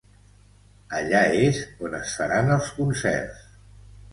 Allà és on es faran els concerts.